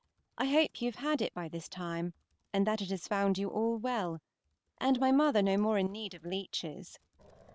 I hope you have had it by this time, and that it has found you all well, and my mother no more in need of leeches.